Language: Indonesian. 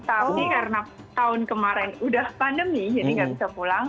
tapi karena tahun kemarin udah pandemi jadi nggak bisa pulang